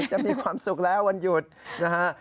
จะมีความสุขแล้ววันหยุดนะฮะ